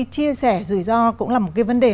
chia sẻ rủi ro cũng là một vấn đề